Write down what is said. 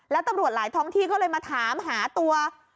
แล้วตำรวจหลายท้องที่ก็เลยมาถามหาตัว